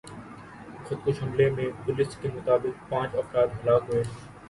خودکش حملے میں پولیس کے مطابق پانچ افراد ہلاک ہوئے ہیں